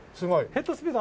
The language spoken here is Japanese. ヘッドスピード